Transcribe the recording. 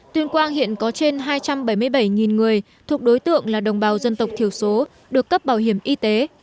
tuyên quang hiện có trên hai trăm bảy mươi bảy người thuộc đối tượng là đồng bào dân tộc thiểu số được cấp bảo hiểm y tế